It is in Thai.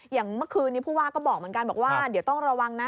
อย่างเมื่อคืนนี้ผู้ว่าก็บอกเหมือนกันบอกว่าเดี๋ยวต้องระวังนะ